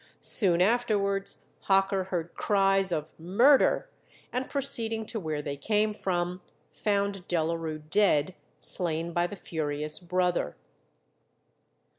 Soon afterwards Hocker heard cries of "murder," and proceeding to where they came from, found Delarue dead, slain by the furious brother.